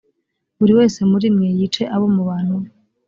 buri wese muri mwe yice abo mu bantu be.